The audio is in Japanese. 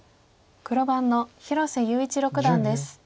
黒番の広瀬優一六段です。